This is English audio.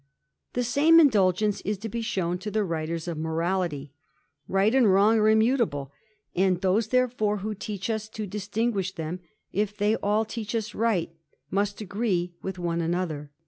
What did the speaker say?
The same indulgence is to be shewn to the writers of morality: right and wrong are immutable: and those^ therefore, who teach us to distinguish them, if they all teach us right, must agree with one another.